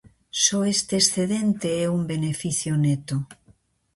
Só este excedente é un beneficio neto.